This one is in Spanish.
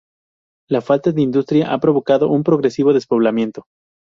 La falta de industria ha provocado un progresivo despoblamiento.